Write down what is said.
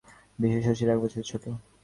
বিন্দু শশীর এক বছরের ছোট।